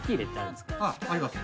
あります。